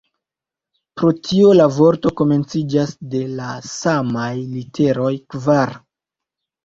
Pro tio la vorto komenciĝas de la samaj literoj "kvar".